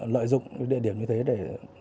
lợi dụng địa điểm như thế để